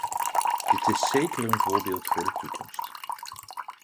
Dit is zeker een voorbeeld voor de toekomst.